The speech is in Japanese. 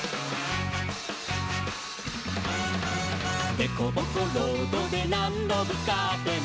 「でこぼこロードでなんどぶつかっても」